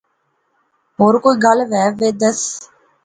ہور کوئی گل وے دے دس